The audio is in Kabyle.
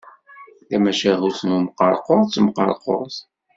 Tamacahut n umqerqur d temqerqurt.